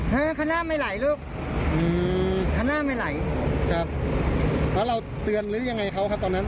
ฮะคันน่าไม่ไหลลูกอืมคันน่าไม่ไหลครับแล้วเราเตือนหรือยังไงเขาค่ะตอนนั้น